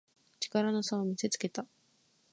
力の差を見せつけた